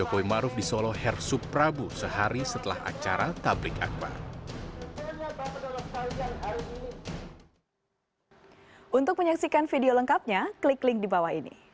jokowi maruf di solo hersup prabu sehari setelah acara tablik akhbar